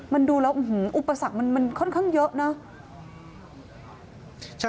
มันดูแล้วอุปสรรคมันค่อนข้างเยอะเนอะ